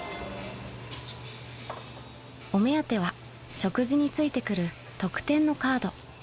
［お目当ては食事に付いてくる特典のカード］